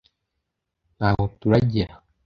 Ntaho turagera